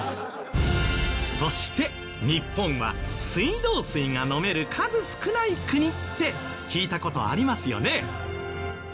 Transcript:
そして日本は水道水が飲める数少ない国って聞いた事ありますよね？